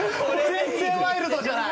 全然ワイルドじゃない！